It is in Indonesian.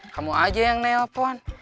kamu aja yang nelpon